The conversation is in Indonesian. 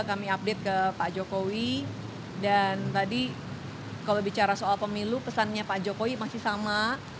kami update ke pak jokowi dan tadi kalau bicara soal pemilu pesannya pak jokowi masih sama